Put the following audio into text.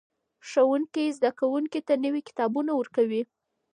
ښوونکي زده کوونکو ته نوي کتابونه ورکوي.